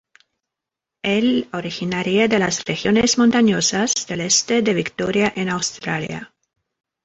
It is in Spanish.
Es originaria de las regiones montañosas del este de Victoria en Australia.